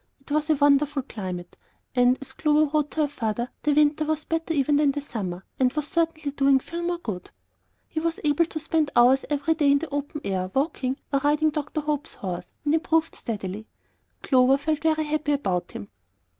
It was a wonderful climate; and as Clover wrote her father, the winter was better even than the summer, and was certainly doing Phil more good. He was able to spend hours every day in the open air, walking, or riding Dr. Hope's horse, and improved steadily. Clover felt very happy about him.